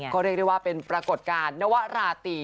ก็เรียกได้ว่าเป็นปรากฏการณ์นวราตรี